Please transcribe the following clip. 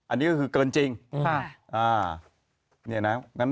อันนี้ก็คือเกินจริง